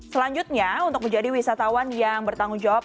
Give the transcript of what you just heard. selanjutnya untuk menjadi wisatawan yang bertanggung jawab